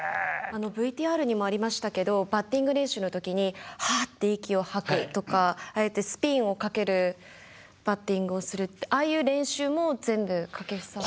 ＶＴＲにもありましたけどバッティング練習の時にはあって息を吐くとかああやってスピンをかけるバッティングをするってああいう練習も全部掛布さんが？